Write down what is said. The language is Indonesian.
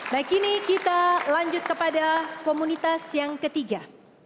baik kini kita lanjut kepada komunitas yang ketiga